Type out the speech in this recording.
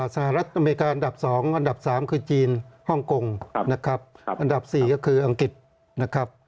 สหรัฐอเมริกาอันดับ๒อันดับ๓คือจีนฮ่องกงอันดับ๔ก็คืออังกฤษ